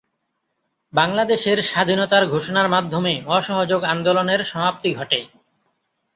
বাংলাদেশের স্বাধীনতা ঘোষণার মাধ্যমে অসহযোগ আন্দোলনের সমাপ্তি ঘটে।